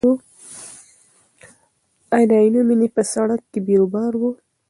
ایا د عینومېنې په سړک کې بیروبار و؟